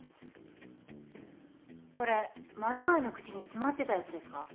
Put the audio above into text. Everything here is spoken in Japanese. これマル害の口に詰まってたやつですか？